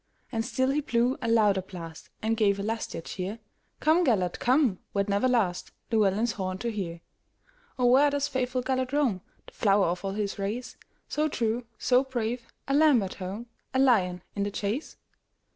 And still he blew a louder blast, And gave a lustier cheer:"Come, Gêlert, come, wert never lastLlewelyn's horn to hear."O, where doth faithful Gêlert roam, The flower of all his race, So true, so brave,—a lamb at home,A lion in the chase?"